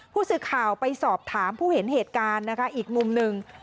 ผู้สื่อข่าวไปสอบถามผู้เห็นเหตุการณ์นะคะอีกมุมหนึ่ง